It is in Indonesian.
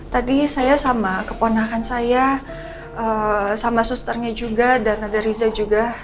tadi saya sama keponakan saya sama susternya juga dan ada riza juga